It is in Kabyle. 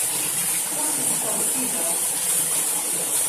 Ur tent-ttṛekkibeɣ.